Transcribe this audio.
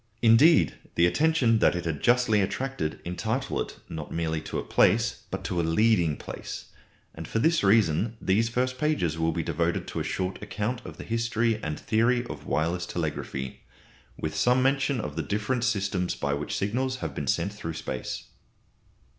Indeed, the attention that it has justly attracted entitle it, not merely to a place, but to a leading place; and for this reason these first pages will be devoted to a short account of the history and theory of Wireless Telegraphy, with some mention of the different systems by which signals have been sent through space.